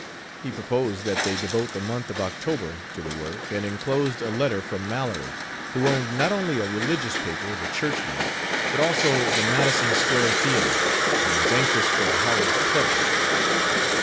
He proposed that they devote the month of October to the work, and inclosed a letter from Mallory, who owned not only a religious paper, The Churchman, but also the Madison Square Theater, and was anxious for a Howells play.